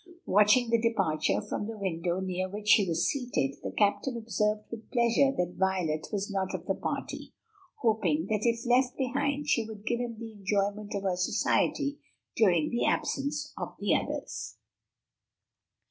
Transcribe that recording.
Watching the departure from the window near which he was seated, the captain observed with pleasure that Violet was not of the party, hoping that if left behind, she would give him the enjoyment of her society during the absence of the others.